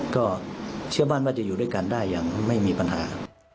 ก็เชื่อมั่นว่าจะอยู่ด้วยกันได้อย่างไม่มีปัญหา